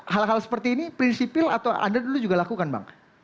hal hal seperti ini prinsipil atau anda dulu juga lakukan bang